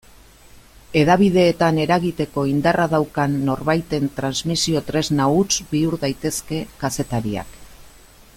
Hedabideetan eragiteko indarra daukan norbaiten transmisio-tresna huts bihur daitezke kazetariak.